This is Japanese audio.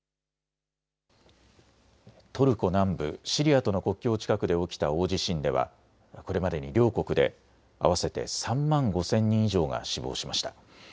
トルコ南部、シリアとの国境近くで起きた大地震ではこれまでに両国で合わせて３万５０００人以上が死亡しました。